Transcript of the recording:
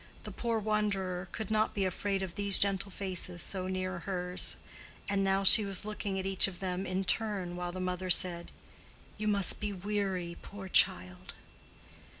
The poor wanderer could not be afraid of these gentle faces so near hers: and now she was looking at each of them in turn while the mother said, "You must be weary, poor child."